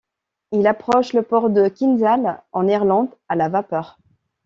Il approche le port de Kinsale, en Irlande à la vapeur.